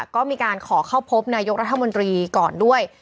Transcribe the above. ก็มีการขอเข้าพบนายกรัฐมนตรีก่อนด้วย